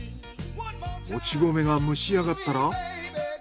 もち米が蒸しあがったら。